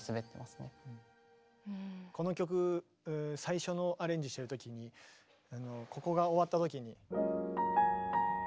この曲最初のアレンジしてるときにここが終わったときに。